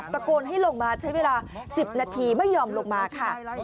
ตะโกนให้ลงมาใช้เวลา๑๐นาทีไม่ยอมลงมาค่ะ